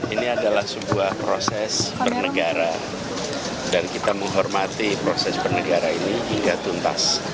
ini adalah sebuah proses bernegara dan kita menghormati proses bernegara ini hingga tuntas